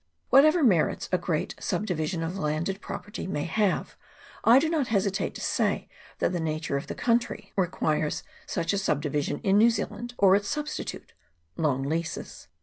Whatever merits a great subdivision of landed property may have, I do not hesitate to say that the nature of the country requires such a CHAP. I.] GENERAL REMARKS. 17 subdivision in New Zealand, or its substitute long leases.